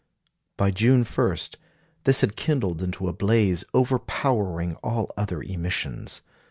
By June 1, this had kindled into a blaze overpowering all other emissions.